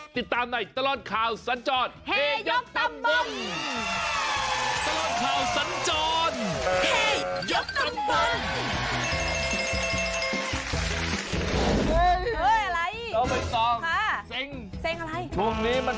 ติดตามในตลอดข่าวสัญจรเฮยกตำบล